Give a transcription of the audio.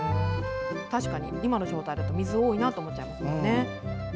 今の状態だと水が多いなと思っちゃいますよね。